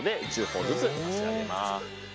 ほぉずつ差し上げます。